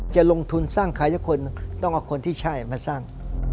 จะลงทุนสร้างใครสักคนต้องเอาคนที่ใช่มาสร้าง